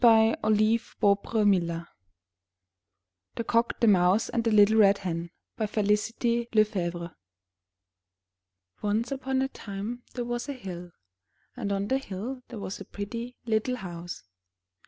211 MY BOOK HOUSE THE COCK, THE MOUSE, AND THE LITTLE RED HEN* F6licit6 LeFevre Once upon a time there was a hill, and on the hill there was a pretty little house.